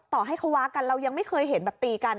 ต่อให้เขาว่ากันเรายังไม่เคยเห็นแบบตีกัน